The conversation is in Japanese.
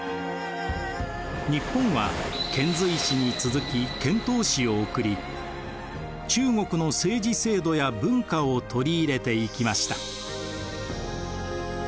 日本は遣隋使に続き遣唐使を送り中国の政治制度や文化を取り入れていきました。